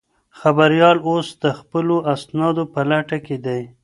خبریال اوس د خپلو اسنادو په لټه کې دی.